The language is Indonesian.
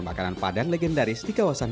makanan padang legendaris di kawasan